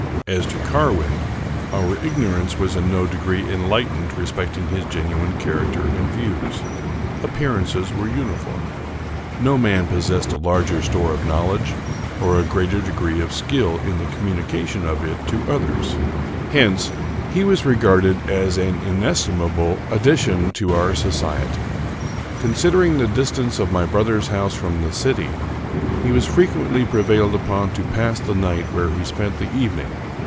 As to Carwin, our ignorance was in no degree enlightened respect ing his genuine character and views. Appearances were 247 American Mystery Stories uniform. No man possessed a larger store of knowledge, or a greater degree of skill in the communication of it to others ; hence he was regarded as an inestimable addition to our society. Considering the distance of my brother's house from the city, he was frequently prevailed upon to pass the night where he spent the evening.